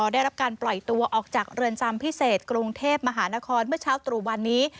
ได้รับการปล่อยตัวออกจากเรือนจำพิเศษกรุงเทพมหานครเมื่อเช้าตรู่วันนี้